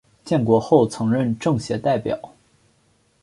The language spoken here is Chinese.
建国后曾任政协代表。